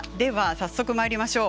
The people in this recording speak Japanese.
早速、まいりましょう。